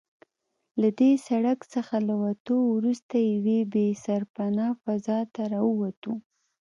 له دې سړک څخه له وتو وروسته یوې بې سرپنا فضا ته راووتو.